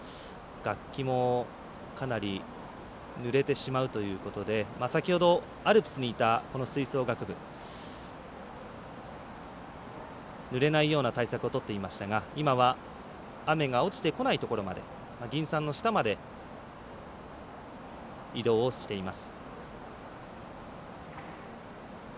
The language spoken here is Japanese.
楽器もかなりぬれてしまうということで先ほど、アルプスにいた吹奏楽部ぬれないような対策をとっていましたが今は、雨が落ちてこないところまで銀傘の下まで移動をしています。